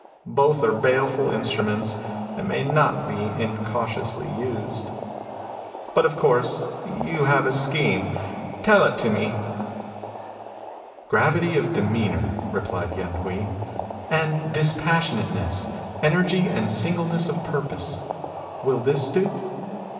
Both are baleful instruments, and may not be incautiously used. ... But of course you have a scheme. Tell it to me." " Gravity of demeanour," replied Yen Hui, *' and dispassionateness ; energy and singleness of purpose, — ^will this do